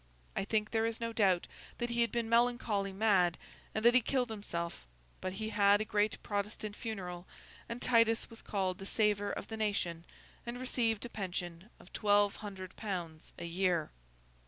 I think there is no doubt that he had been melancholy mad, and that he killed himself; but he had a great Protestant funeral, and Titus was called the Saver of the Nation, and received a pension of twelve hundred pounds a year.